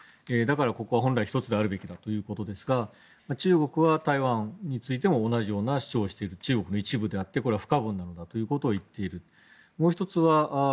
だからここは本来１つであるべきだということですが中国は台湾についても同じような主張をしている中国の一部であってこれは不可分なのだと言っている。